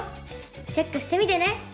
チェックしてみてね！